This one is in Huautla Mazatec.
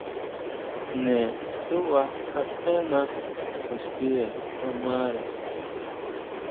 Jne tsúʼba katena ixtire kamare.